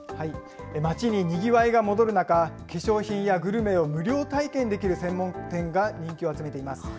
街ににぎわいが戻る中、化粧品やグルメを無料体験できる専門店が人気を集めています。